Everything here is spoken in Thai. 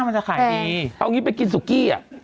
เอาอย่างนี้ไปกินสุกี้